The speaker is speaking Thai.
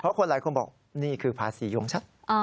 เพราะคนหลายคนบอกนี่คือภาษีของฉัน